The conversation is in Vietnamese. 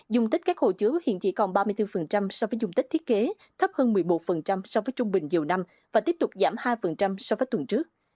dùng tích các hồ chứa hiện chỉ còn ba mươi bốn so với dùng tích thiết kế thấp hơn một mươi một so với trung bình nhiều năm và tiếp tục giảm hai so với tuần trước